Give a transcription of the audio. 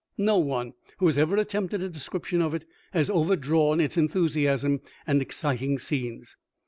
No one who has ever attempted a description of it has overdrawn its enthusiasm and exciting scenes.